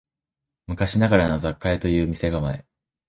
昔ながらの雑貨屋という店構え